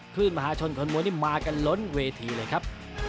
คลื่นมหาชนคนมวยมากันล้นเวทีเลยครับ